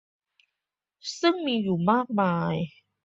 ซึ่งมีอยู่มากมาย